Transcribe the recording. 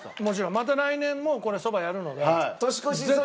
また来年もそばやるので。